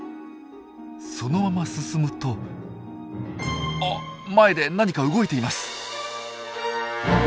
そのまま進むとあっ前で何か動いています！